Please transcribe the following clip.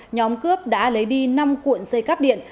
nhóm cướp đã lấy đi năm cuộn xây cáp điện